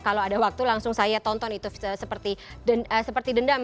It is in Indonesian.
kalau ada waktu langsung saya tonton itu seperti dendam